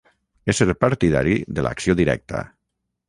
Ésser partidari de l'acció directa.